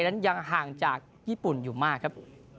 นั้นยังห่างจากญี่ปุ่นอยู่มากครับ